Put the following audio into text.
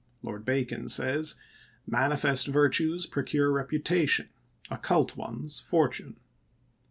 Lord Bacon says, ' Manifest virtues procure reputation; occult ones fortune.'